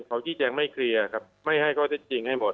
เขาชี้แจงไม่เคลียร์ครับไม่ให้ข้อเท็จจริงให้หมด